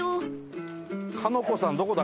鹿の子さんどこだ？